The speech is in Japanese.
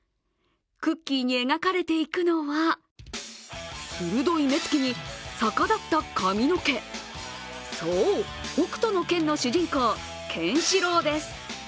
クッキーに描かれていくのは鋭い目つきに逆立った髪の毛、そう、「北斗の拳」の主人公・ケンシロウです。